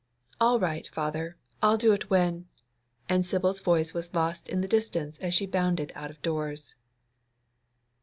'All right, father; I'll do it when'—and Sibyl's voice was lost in the distance as she bounded out of doors.